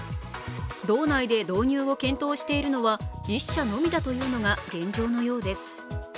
道内で導入を検討しているのは１社のみだというのが現状のようです。